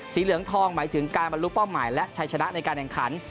เหลืองทองหมายถึงการบรรลุเป้าหมายและชัยชนะในการแข่งขัน